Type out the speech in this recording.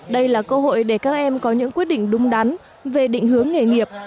đây là cơ hội để các em có những quyết định đúng đắn về định hướng nghề nghiệp